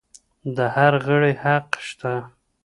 د هر غړي حق شته.